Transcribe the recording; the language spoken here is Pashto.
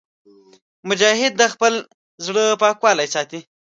مجاهد د خپل زړه پاکوالی ساتي.